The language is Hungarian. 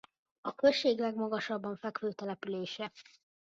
A község legmagasabban fekvő települése.